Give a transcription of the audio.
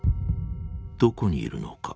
どこにいるのか。